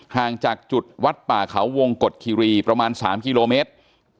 ห่างจากจุดวัดป่าเขาวงกฎคิรีประมาณ๓กิโลเมตร